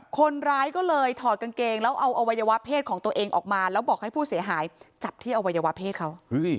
คนร้ายก็เลยถอดกางเกงแล้วเอาอวัยวะเพศของตัวเองออกมาแล้วบอกให้ผู้เสียหายจับที่อวัยวะเพศเขา